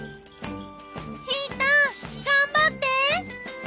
ひーたん頑張って！